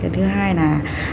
thứ hai là